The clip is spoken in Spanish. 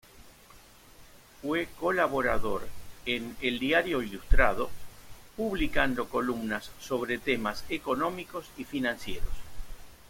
Fue colaborador en El Diario Ilustrado, publicando columnas sobre temas económicos y financieros.